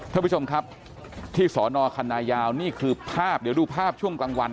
ท่านผู้ชมครับที่สอนอคันนายาวนี่คือภาพเดี๋ยวดูภาพช่วงกลางวัน